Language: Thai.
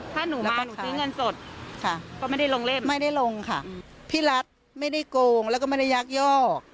ถ้าหนูมาหนูซื้อเงินสดค่ะก็ไม่ได้ลงเล่นไม่ได้ลงค่ะพี่รัฐไม่ได้โกงแล้วก็ไม่ได้ยักยอก